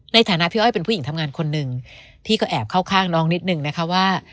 ในฐานะพี่อ้อยเป็นผู้หญิงทำงานคนหนึ่งพี่ก็แอบเข้าข้างน้องนิดนึงนะคะว่า